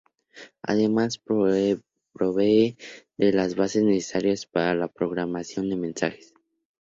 Además provee de las bases necesarias para la propagación de mensajes.